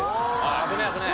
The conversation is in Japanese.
危ねえ危ねえ。